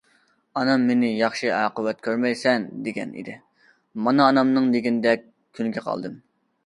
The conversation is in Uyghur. ئانام مېنى ياخشى ئاقىۋەت كۆرمەيسەن، دېگەن ئىدى، مانا ئانامنىڭ دېگىنىدەك كۈنگە قالدىم.